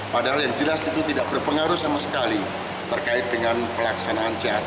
padahal yang jelas itu tidak berpengaruh sama sekali terkait dengan pelaksanaan sehat